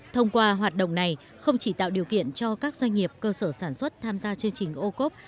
thông qua hoạt động này không chỉ tạo điều kiện cho các doanh nghiệp cơ sở sản xuất tham gia chương trình ô cốp